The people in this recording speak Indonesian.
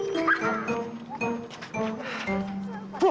tidak ada pa pa